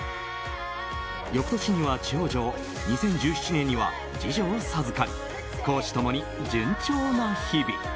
翌年には長女を２０１７年には次女を授かり公私共に順調な日々。